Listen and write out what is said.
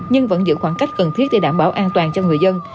nhưng vẫn giữ khoảng cách cần thiết để đảm bảo an toàn cho người dân